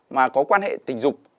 mà có quan hệ tình dục